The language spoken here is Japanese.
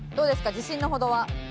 自信のほどは。